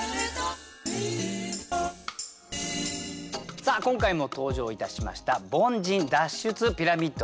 さあ今回も登場いたしました凡人脱出ピラミッドです。